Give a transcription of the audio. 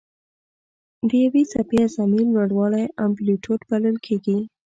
د یوې څپې اعظمي لوړوالی امپلیتیوډ بلل کېږي.